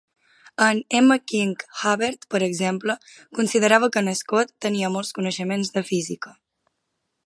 En M. King Hubbert, per exemple, considerava que n'Scott tenia molts coneixements de física.